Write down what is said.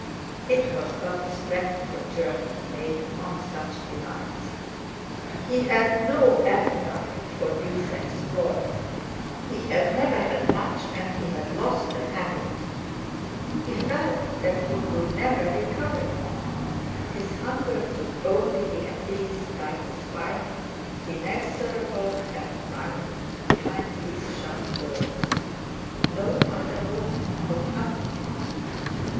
It was but a spectral journey he made among such delights—he had no appetite for these exploits. He had never had much, and he had lost the habit. He felt that he could never recover it. His hunger could only be appeased by his wife, inexorable and frightened, behind these shut doors. No other woman could help him.